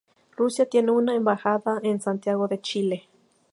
Rusia tiene una embajada en Santiago de Chile.